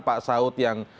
pak saud yang